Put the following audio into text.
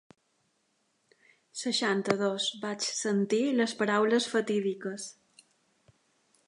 Seixanta-dos vaig sentir les paraules fatídiques.